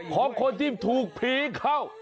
ของคนที่ถูกผีเข้า